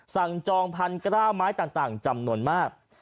จองพันกล้าไม้ต่างจำนวนมาก